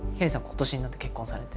今年になって結婚されて。